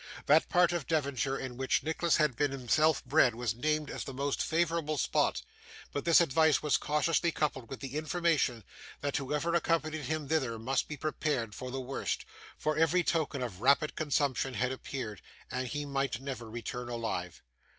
That part of Devonshire in which Nicholas had been himself bred was named as the most favourable spot; but this advice was cautiously coupled with the information, that whoever accompanied him thither must be prepared for the worst; for every token of rapid consumption had appeared, and he might never return alive.